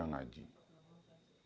sealah kadarnya ngaji